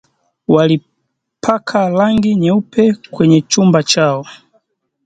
Walipaka rangi nyeupe kwenye chumba chao